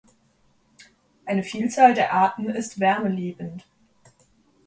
Eine Vielzahl der Arten ist wärmeliebend.